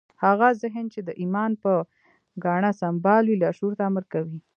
هغه ذهن چې د ايمان په ګاڼه سمبال وي لاشعور ته امر کوي.